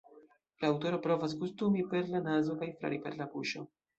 La aŭtoro provas gustumi per la nazo kaj flari per la buŝo.